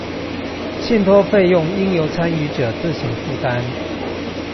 信託費用應由參與者自行負擔